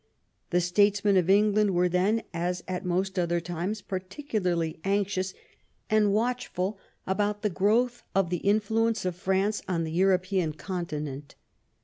The statesmen of England were then, as at most other times, particularly anxious and watchful about the growth of the influence of France on the European continent.